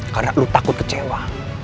karena lo takut kecewa